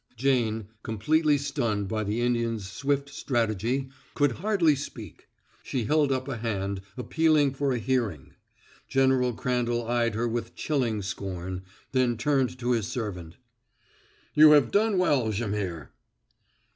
Jane, completely stunned by the Indian's swift strategy, could hardly speak. She held up a hand, appealing for a hearing. General Crandall eyed her with chilling scorn, then turned to his servant. "You have done well, Jaimihr."